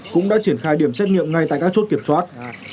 cũng đã triển khai điểm xét nghiệm ngay tại các chốt kiểm soát